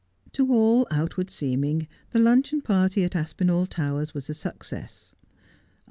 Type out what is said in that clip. To all outward seeming the luncheon party at Aspinall Towers was a success.